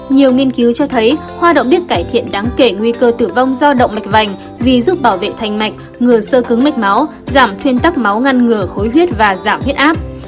nhiều nghiên cứu cho thấy hoa động biết cải thiện đáng kể nguy cơ tử vong do động mạch vành vì giúp bảo vệ thành mạch ngừa sơ cứng mách máu giảm thuyên tắc máu ngăn ngừa khối huyết và giảm huyết áp